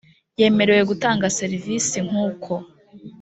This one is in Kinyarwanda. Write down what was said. yemerewe gutanga serivisi nk uko